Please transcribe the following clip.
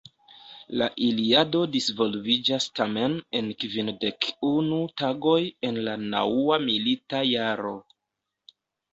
La Iliado disvolviĝas tamen en kvindek unu tagoj en la naŭa milita jaro.